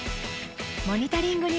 モニタリングに